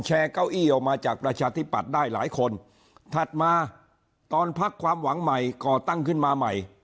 เก้าอี้ออกมาจากประชาธิปัตย์ได้หลายคนถัดมาตอนพักความหวังใหม่ก่อตั้งขึ้นมาใหม่